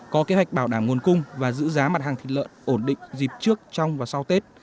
có kế hoạch bảo đảm nguồn cung và giữ giá mặt hàng thịt lợn ổn định dịp trước trong và sau tết